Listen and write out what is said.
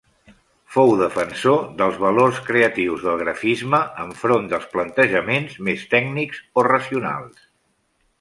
Fou defensor dels valors creatius del grafisme enfront dels plantejaments més tècnics o racionals.